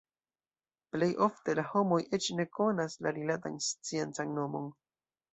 Plej ofte la homoj eĉ ne konas la rilatan sciencan nomon.